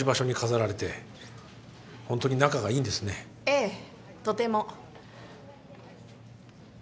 ええとても。